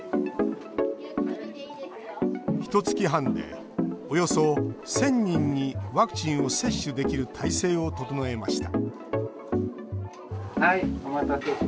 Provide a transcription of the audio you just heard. ひとつき半でおよそ１０００人にワクチンを接種できる体制を整えました